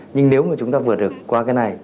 nhưng nếu mà chúng ta vượt được qua cái này